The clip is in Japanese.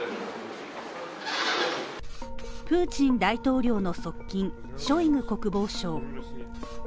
プーチン大統領の側近、ショイグ国防相。